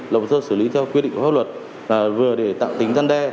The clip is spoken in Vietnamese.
lập sơ xử lý theo quy định của pháp luật vừa để tạo tính gian đe